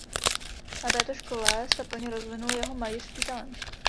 Na této škole se plně rozvinul jeho malířský talent.